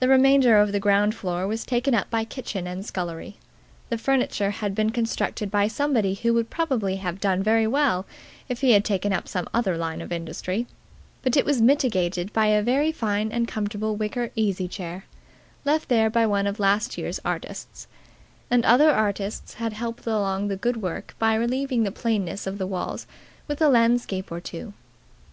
The remainder of the ground floor was taken up by kitchen and scullery. The furniture had been constructed by somebody who would probably have done very well if he had taken up some other line of industry; but it was mitigated by a very fine and comfortable wicker easy chair, left there by one of last year's artists; and other artists had helped along the good work by relieving the plainness of the walls with a landscape or two.